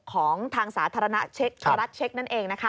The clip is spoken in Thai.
ของทางสาธารณะรัฐเช็คนั่นเอง